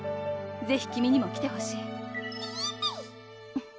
ぜひ君にも来てほしいピピ！